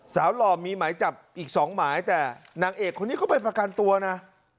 หล่อมีหมายจับอีกสองหมายแต่นางเอกคนนี้ก็ไปประกันตัวนะ